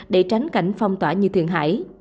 để tránh cảnh phong tỏa như thượng hải